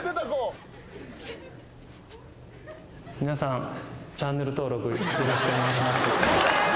皆さん。